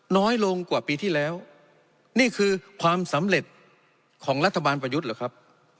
น้อยลงกว่าปีที่แล้วนี่คือความสำเร็จของรัฐบาลประยุทธ์เหรอครับ